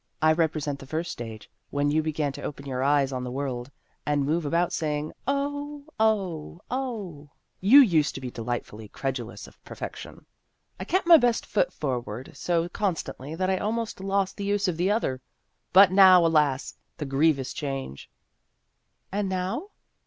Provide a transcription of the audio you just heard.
I represent the first stage when you began to open your eyes on the world, and move about saying, ' Oh, oh, oh !' You used to be delightfully credu lous of perfection. I kept my best foot forward so constantly that I almost lost the use of the other. But now, alas ! the grievous change !" "And now?"